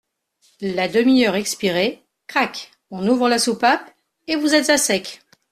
La demi-heure expirée, crac ! on ouvre la soupape et vous êtes à sec !